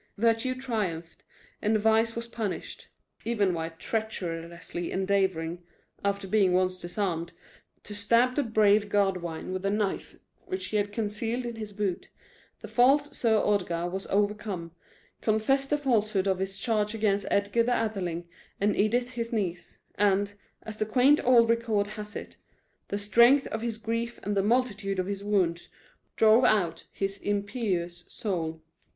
Virtue triumphed, and vice was punished. Even while treacherously endeavoring (after being once disarmed) to stab the brave Godwine with a knife which he had concealed in his boot, the false Sir Ordgar was overcome, confessed the falsehood of his charge against Edgar the Atheling and Edith his niece, and, as the quaint old record has it, "The strength of his grief and the multitude of his wounds drove out his impious soul."